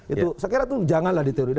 itu saya kira itu janganlah diterima